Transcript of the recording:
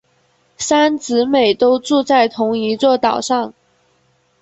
三姊妹都住在同一座岛上。